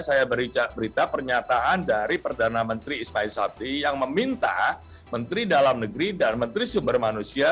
saya beri berita pernyataan dari perdana menteri ismail sabri yang meminta menteri dalam negeri dan menteri sumber manusia